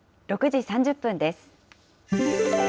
６時３０分です。